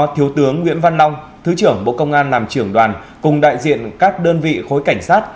thiếu tướng nguyễn văn long thứ trưởng bộ công an làm trưởng đoàn cùng đại diện các đơn vị khối cảnh sát